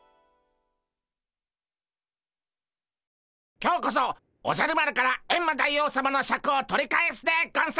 今日こそおじゃる丸からエンマ大王さまのシャクを取り返すでゴンス！